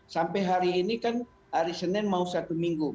sampai hari ini kan hari senin mau satu minggu